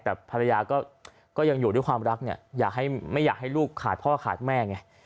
แต่ภรรยาก็ยังอยู่ด้วยความรักเนี่ยไม่อยากให้ลูกขาดพ่อขาดแม่ไง